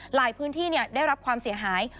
หลายพื้นที่ได้รับความเสียหาย